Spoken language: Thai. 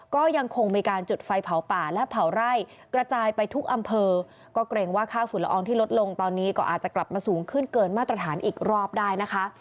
ก็ยังคงมีการจุดไฟเผาป่าและเผาไร่กระจายไปทุกอำเภอก็เกรงว่าค่าฝุ่นละอองที่ลดลงตอนนี้ก็อาจจะกลับมาสูงขึ้นเกินมาตรฐานอีกรอบได้นะคะ